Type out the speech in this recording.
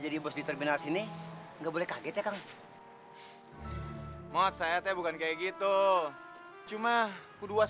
jadi bos di terminal sini enggak boleh kaget ya kan maksudnya bukan kayak gitu cuma kuduas